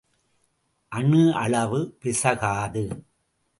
அணு அளவு பிசகாது.